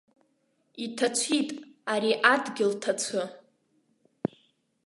Иҭацәит ари адгьыл, ҭацәы!